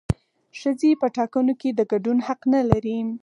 ښځې په ټاکنو کې د ګډون حق نه لري